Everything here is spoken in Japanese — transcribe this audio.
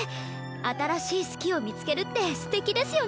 新しい「好き」を見つけるってステキですよねえ。